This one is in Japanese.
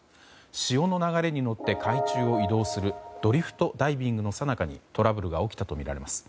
潮の流れに乗って海中を移動するドリフトダイビングのさなかにトラブルが起きたとみられます。